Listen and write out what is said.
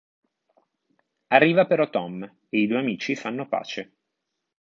Arriva però Tom e i due amici fanno pace.